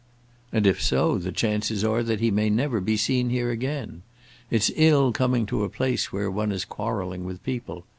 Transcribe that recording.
"And if so, the chances are that he may never be seen here again. It's ill coming to a place where one is quarrelling with people.